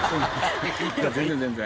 全然全然。